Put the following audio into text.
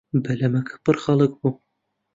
بەلەمەکە پڕ خەڵک بوو.